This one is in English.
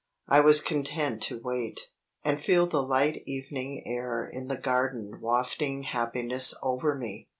I was content to wait, and feel the light evening air in the garden wafting happiness over me.